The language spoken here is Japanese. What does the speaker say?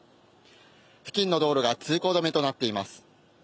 付近の道路が通行止めとなっています。